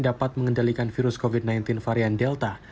dapat mengendalikan virus covid sembilan belas varian delta